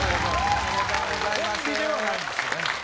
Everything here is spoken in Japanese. おめでとうございます。